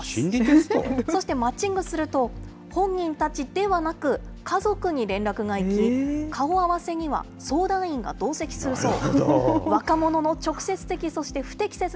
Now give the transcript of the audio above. そしてマッチングすると、本人たちではなく、家族に連絡が行き、顔合わせには相談員が同席するそう。